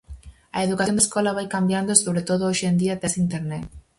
A educación da escola vai cambiando e sobre todo, hoxe en día tes Internet.